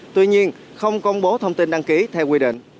tuy nhiên không công bố thông tin đăng ký theo quy định